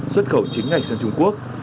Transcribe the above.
xuất khẩu chính ngành sang trung quốc